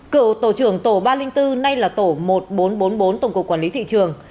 cựu tổ trưởng tổ ba trăm linh bốn nay là tổ một nghìn bốn trăm bốn mươi bốn tổng cục quản lý thị trường